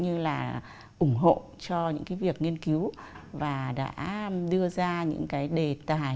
ủng hộ cho những việc nghiên cứu và đã đưa ra những đề tài